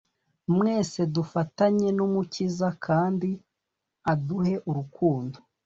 mwesedufatanye N'Umukiza, kandi aduhe Urukundo